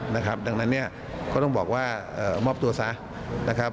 ดังนั้นก็ต้องบอกว่ามอบตัวซะ